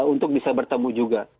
untuk bisa bertemu juga